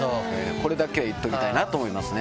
これだけは言っておきたいなと思いますね。